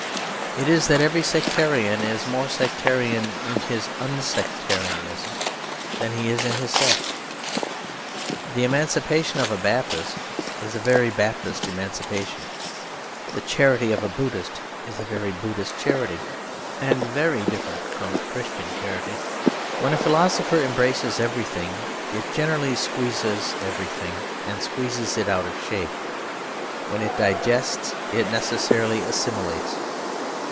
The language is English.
It is that every sectarian is more sectarian in his unsectarianism than he is in his sect. The emancipation of a Baptist is a very Baptist emancipation. The charity of a Buddhist is a very Buddhist charity, and very different from Christian charity. When a philosophy embraces everything it generally squeezes everything, and squeezes it out of shape; when it digests it necessarily assimilates.